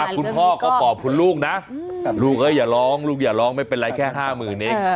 คุณพ่อก็ปลอบคุณลูกนะลูกเอ้ยอย่าร้องไม่เป็นไรแค่๕หมื่นเอง